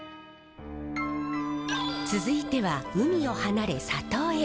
続いては海を離れ里へ。